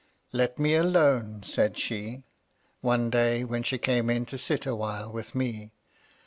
" Let me alone," said she, one day when she came in to sit awhile with me.